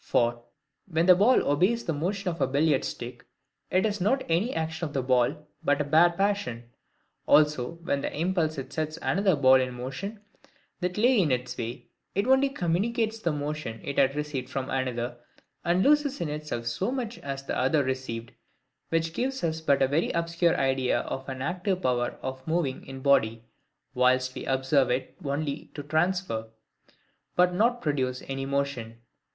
For, when the ball obeys the motion of a billiard stick, it is not any action of the ball, but bare passion. Also when by impulse it sets another ball in motion that lay in its way, it only communicates the motion it had received from another, and loses in itself so much as the other received: which gives us but a very obscure idea of an ACTIVE power of moving in body, whilst we observe it only to TRANSFER, but not PRODUCE any motion.